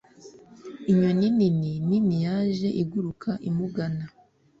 Inyoni nini nini yaje iguruka imugana.